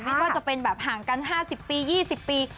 ไม่ว่าจะเป็นแบบห่างกัน๕๐ปี๒๐ปี